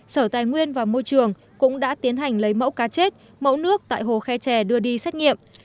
sở tài nguyên và môi trường cũng đã tiến hành lấy mẫu cá chết mẫu nước tại hồ khe chè đưa đi xét nghiệm